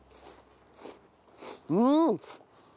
うん！